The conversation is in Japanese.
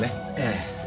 ええ。